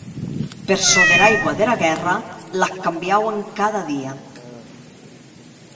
Per çò dera aigua dera gèrra, l'ac cambiauen cada dia.